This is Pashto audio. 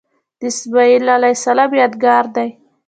د اسمیل علیه السلام یادګار دی.